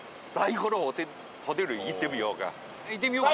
行ってみようか。